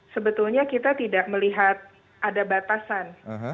sebetulnya kita tidak melihat ada batasan